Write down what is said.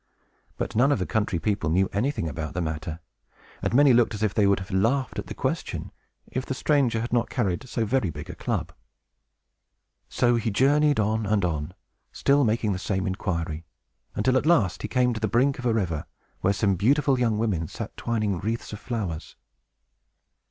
But none of the country people knew anything about the matter, and many looked as if they would have laughed at the question, if the stranger had not carried so very big a club. So he journeyed on and on, still making the same inquiry, until, at last, he came to the brink of a river where some beautiful young women sat twining wreaths of flowers.